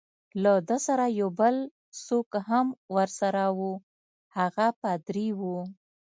له ده سره یو بل څوک هم ورسره وو، هغه پادري وو.